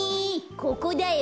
ここだよ